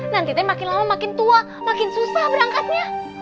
nanti teh makin lama makin tua makin susah berangkatnya